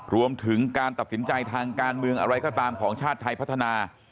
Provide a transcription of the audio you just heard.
รวมถึงการตัดสินใจทางการเมืองอะไรก็ตามของชาติไทยพัฒนา